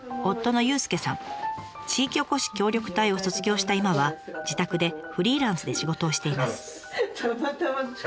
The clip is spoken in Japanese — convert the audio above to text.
地域おこし協力隊を卒業した今は自宅でフリーランスで仕事をしています。